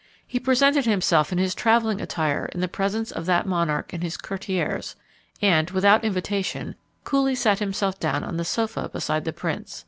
He presented himself in his travelling attire in the presence of that monarch and his courtiers; and, without invitation, coolly sat himself down on the sofa beside the prince.